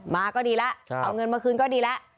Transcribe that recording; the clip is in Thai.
มาก็ดีละเอาเงินมาขึ้นก็ดีละ